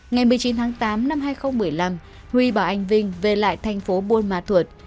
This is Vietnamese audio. ngày một mươi chín tháng tám năm hai nghìn một mươi năm huy và anh vinh về lại thành phố buôn ma thuột